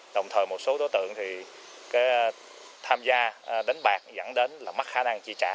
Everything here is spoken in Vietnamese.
đồng thời một số đối tượng tham gia đánh bạc dẫn đến mắc khả năng chi trả